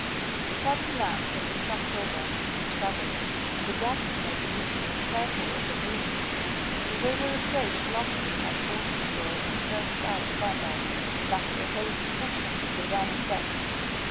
The cabin lamp had been knocked over in the struggle, and the darkness made the murderers careful of their movements, for they were afraid that Loftgreen might force his door and burst out upon them, and after a hurried discussion they ran on deck.